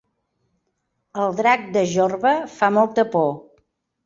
El drac de Jorba fa molta por